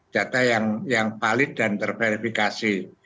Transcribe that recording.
data yang valid dan terverifikasi